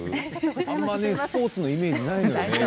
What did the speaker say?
あまりスポーツのイメージないのよね。